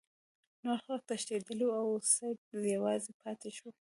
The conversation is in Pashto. نور خلک تښتیدلي وو او سید یوازې پاتې شو.